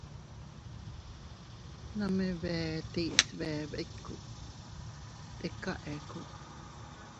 Nome bee tiis bee biku, tika eku.